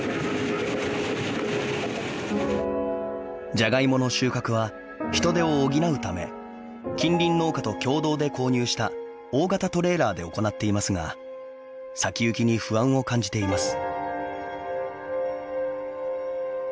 じゃがいもの収穫は人手を補うため近隣農家と共同で購入した大型トレーラーで行っていますが先行きに不安を感じています。